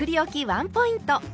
ワンポイント。